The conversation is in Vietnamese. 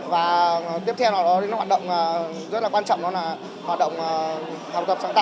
và tiếp theo nó hoạt động rất là quan trọng đó là hoạt động học tập sáng tạo